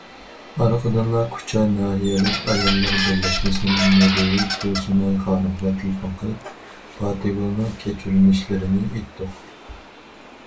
ئارقىدىنلا كۇچا ناھىيەلىك ئاياللار بىرلەشمىسىنىڭ مۇدىرى تۇرسۇنئاي خانىمغا تېلېفون قىلىپ، پاتىگۈلنىڭ كەچۈرمىشلىرىنى ئېيتتۇق.